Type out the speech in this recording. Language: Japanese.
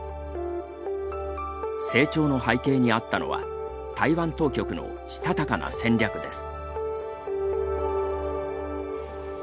成長の背景にあったのは台湾当局のしたたかな戦略です。